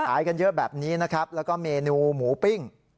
กันเยอะแบบนี้นะครับแล้วก็เมนูหมูปิ้ง